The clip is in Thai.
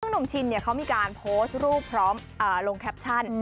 หนุ่มชินเขามีการโพสต์รูปพร้อมลงแคปชั่น